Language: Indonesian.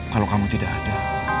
kalau kamu tidak ada